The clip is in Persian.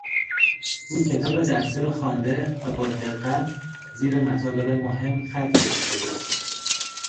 او کتاب درسی را خوانده و با دقت زیر مطالب مهم خط کشیده بود.